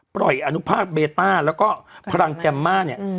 ปล่อยอาณุภาพเบต้าแล้วก็พลังแจมมาเนี่ย